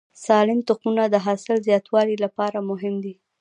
سالم تخمونه د حاصل زیاتوالي لپاره مهم دي.